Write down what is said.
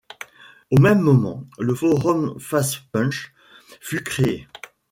Au même moment, le forum Facepunch fût créé.